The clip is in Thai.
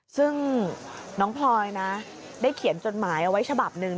ซึ่งน้องพลอยนะได้เขียนจดหมายเอาไว้ฉบับหนึ่ง